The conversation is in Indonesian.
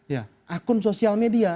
ya akun sosial media